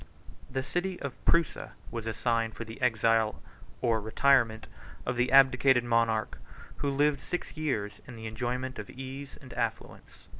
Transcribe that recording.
The city of Prusa was assigned for the exile or retirement of the abdicated monarch, who lived six years in the enjoyment of ease and affluence.